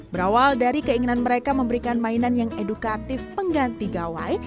berawal dari keinginan mereka memberikan mainan yang edukatif pengganti gawai